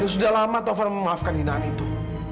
sudah lama tofan memaafkan hinaan itu